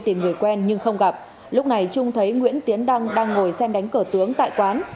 tìm người quen nhưng không gặp lúc này trung thấy nguyễn tiến đăng đang ngồi xem đánh cờ tướng tại quán